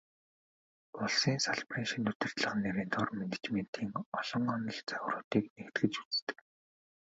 Улсын салбарын шинэ удирдлага нэрийн доор менежментийн олон онол, загваруудыг нэгтгэж үздэг.